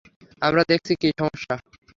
আমরা দেখছি কি সমস্যা।